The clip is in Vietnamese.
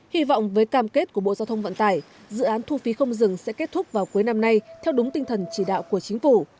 hy vọng với cam kết của bộ giao thông vận tải dự án thu phí không dừng sẽ kết thúc vào cuối năm nay theo đúng tinh thần chỉ đạo của chính phủ